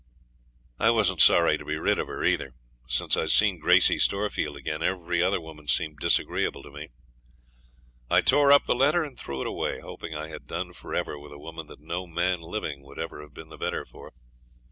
I wasn't sorry to be rid of her either. Since I'd seen Gracey Storefield again every other woman seemed disagreeable to me. I tore up the letter and threw it away, hoping I had done for ever with a woman that no man living would ever have been the better for.